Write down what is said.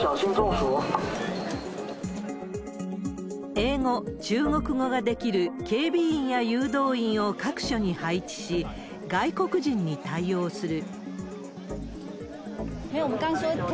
英語、中国語ができる警備員や誘導員を各所に配置し、外国人に対応する。